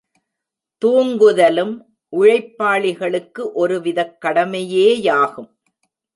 தூங்குதலும் உழைப்பாளிகளுக்கு ஒரு விதக் கடமையேயாகும்.